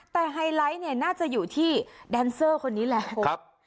แต่ไฮไลท์เนี่ยน่าจะอยู่ที่แดนเซอร์คนนี้แหละ